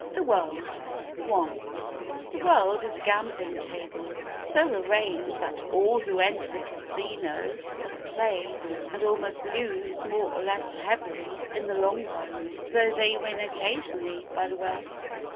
The World i The world is a gambling table so arranged that all who enter the casino must play and all must lose more or less heavily in the long run, though they win occasionally by the way.